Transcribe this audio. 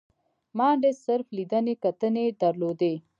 مانډس صرف لیدنې کتنې درلودې.